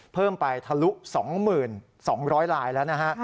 เพิ่มไปทะลุ๒๒๐๐ลายแล้วนะฮะ